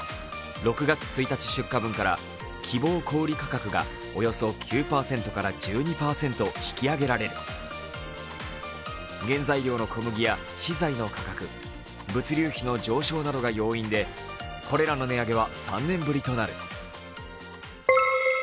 ６月１日出荷分から希望小売価格がおよそ９％から１２％引き上げられる原材料の小麦や資材の価格、物流費の上昇などが要因で、これらの値上げは３年ぶりとなる。